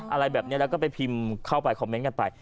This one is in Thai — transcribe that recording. อะไรแบบนี้แล้วก็ไปพิมพ์เข้าไปคอมเมนต์กันไป